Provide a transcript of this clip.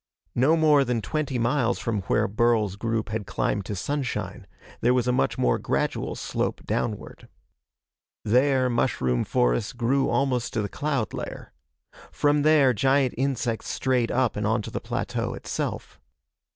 No more than twenty miles from where Burl's group had climbed to sunshine, there was a much more gradual slope downward. There, mushroom forests grew almost to the cloud layer. From there, giant insects strayed up and onto the plateau itself.